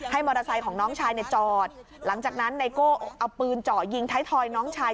มอเตอร์ไซค์ของน้องชายเนี่ยจอดหลังจากนั้นไนโก้เอาปืนเจาะยิงท้ายทอยน้องชาย